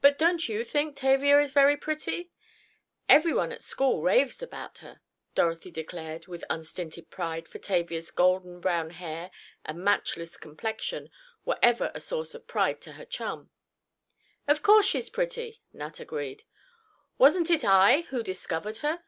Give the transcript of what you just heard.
"But don't you think Tavia is very pretty? Everyone at school raves about her," Dorothy declared with unstinted pride, for Tavia's golden brown hair, and matchless complexion, were ever a source of pride to her chum. "Of course she's pretty," Nat agreed. "Wasn't it I who discovered her?"